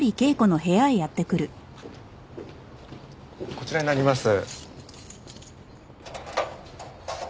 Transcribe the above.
こちらになります。